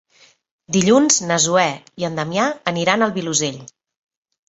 Dilluns na Zoè i en Damià aniran al Vilosell.